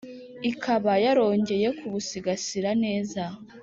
ikaba yarongeye kubusigasira neza.”